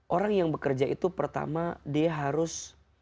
orang yang bekerja itu pertama dia harus